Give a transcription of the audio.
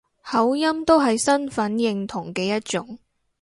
口音都係身份認同嘅一種